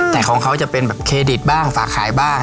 แต่ของเขาจะเป็นแบบเครดิตบ้างฝากขายบ้าง